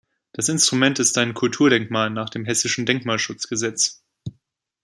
Das Instrument ist ein Kulturdenkmal nach dem Hessischen Denkmalschutzgesetz.